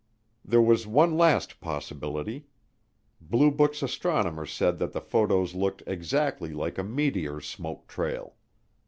There was one last possibility: Blue Book's astronomer said that the photos looked exactly like a meteor's smoke trail.